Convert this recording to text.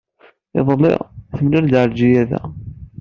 Iḍelli, temlal-d Ɛelǧiya da.